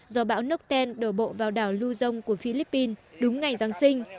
do bão nucen đổ bộ vào đảo luzon của philippines đúng ngày giáng sinh